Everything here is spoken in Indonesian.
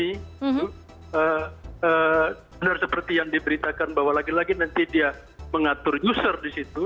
benar seperti yang diberitakan bahwa lagi lagi nanti dia mengatur user di situ